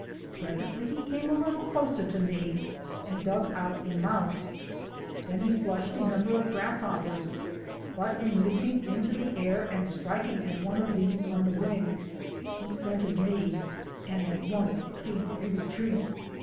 Pres ently he came a little closer to me and dug out a mouse. Then he flushed a number of grasshop pers; but in leaping into the air and striking at one of these on the wing he scented me and at once beat a retreat.